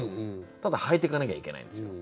ただ履いていかなきゃいけないんですよ。